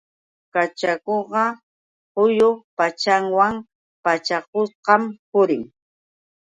Kachakuq quyu pachawan pachakushqam purin.